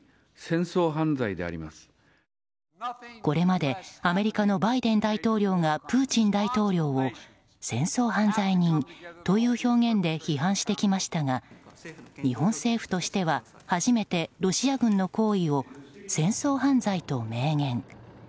これまでアメリカのバイデン大統領がプーチン大統領を戦争犯罪人という表現で批判してきましたが日本政府としては初めてロシア軍の行為を戦争犯罪と明言。